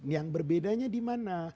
yang berbedanya di mana